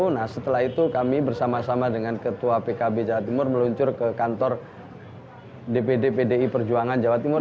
nah setelah itu kami bersama sama dengan ketua pkb jawa timur meluncur ke kantor dpd pdi perjuangan jawa timur